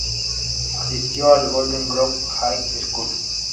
Asistió al Golden Grove High School.